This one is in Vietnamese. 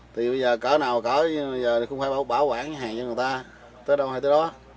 thì bây giờ cỡ nào có bây giờ cũng phải bảo quản hàng cho người ta tới đâu hay tới đó